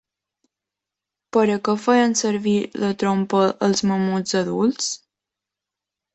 Per a què feien servir la trompa els mamuts adults?